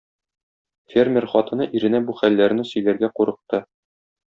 Фермер хатыны иренә бу хәлләрне сөйләргә курыкты.